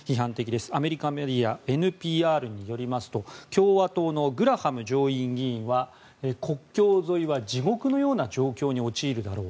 アメリカメディアＮＰＲによりますと共和党のグラハム上院議員は国境沿いは地獄のような状況に陥るだろう。